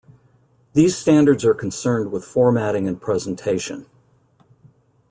These standards are concerned with formatting and presentation.